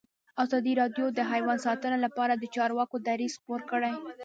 ازادي راډیو د حیوان ساتنه لپاره د چارواکو دریځ خپور کړی.